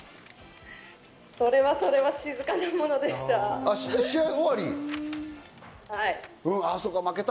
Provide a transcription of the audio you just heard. それはそれは静かなものでした。